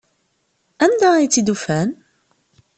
Anda ay tt-id-ufan?